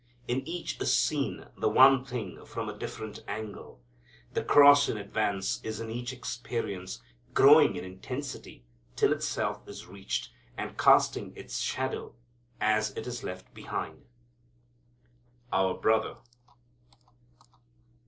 In each is seen the one thing from a different angle. The cross in advance is in each experience, growing in intensity till itself is reached, and casting its shadow as it is left behind. Our Brother.